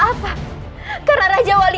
atau bocah ini